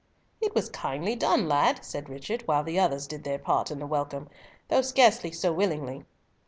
"It was kindly done, lad," said Richard, while the others did their part of the welcome, though scarcely so willingly.